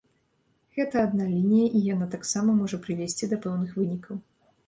Гэта адна лінія і яна таксама можа прывесці да пэўных вынікаў.